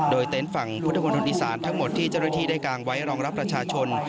โดยเต็นต์ฝั่งพุทธมนตอีสานทั้งหมดที่เจ้าหน้าที่ได้กางไว้รองรับประชาชน